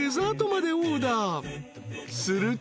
［すると］